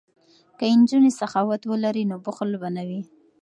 که نجونې سخاوت ولري نو بخل به نه وي.